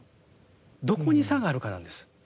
どこに差があるかなんです。